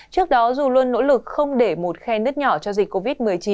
trước đó dù luôn nỗ lực không để một khe nứt nhỏ cho dịch covid một mươi chín